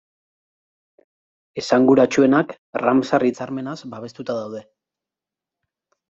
Esanguratsuenak Ramsar hitzarmenaz babestuta daude.